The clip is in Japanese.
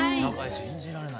信じられない。